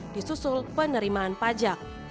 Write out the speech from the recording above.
di susul penerimaan pajak